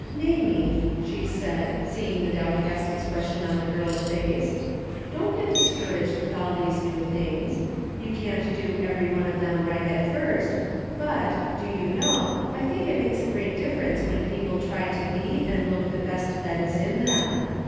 " Mamie," she said, seeing the downcast ex pression on the young girl's face, " don't get discouraged with all these new things. You can't do every one of them right at' first, but, do you know, I think it makes a great differ ence when people try to be and look the best that is in them.